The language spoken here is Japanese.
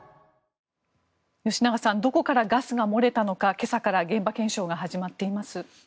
吉永さんどこからガスが漏れたのか今朝から現場検証が始まっています。